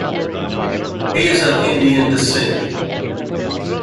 He is of Indian descent.